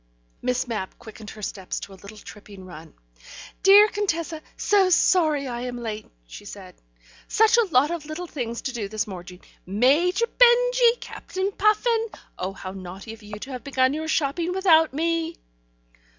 Miss Mapp quickened her steps to a little tripping run. "Dear Contessa, so sorry I am late," she said. "Such a lot of little things to do this morning. (Major Benjy! Captain Puffin!) Oh, how naughty of you to have begun your shopping without me!"